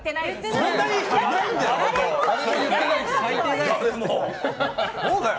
こんないい人、いないんだよ！